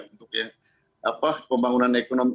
untuk pembangunan ekonomi